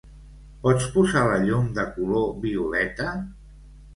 Pots posar la llum de color violeta?